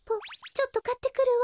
ちょっとかってくるわ。